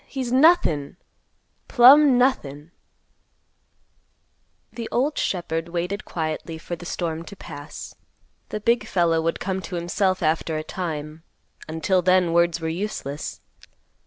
He's nothin'! plumb nothin'!" The old shepherd waited quietly for the storm to pass. The big fellow would come to himself after a time; until then, words were useless.